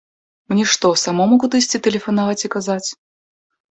Мне што, самому кудысьці тэлефанаваць і казаць?